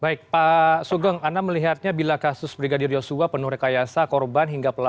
baik pak sugeng anda melihatnya bila kasus brigadir yosua penuh rekayasa korban hingga pelaku